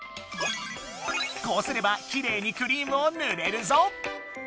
こうすればきれいにクリームをぬれるぞ！